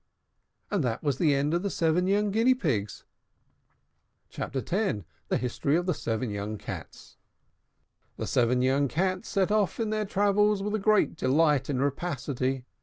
And that was the end of the seven young Guinea Pigs. CHAPTER X. THE HISTORY OF THE SEVEN YOUNG CATS. The seven young Cats set off on their travels with great delight and rapacity.